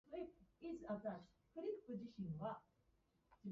「紙を捨てなけれれば、あの車も使えないしね」そう言って、男は笑った。顔も笑っていた。